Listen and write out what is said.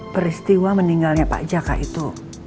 peristiwa meninggalnya pak jaka itu